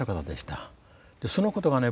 そのことがね